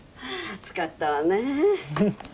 暑かったわね。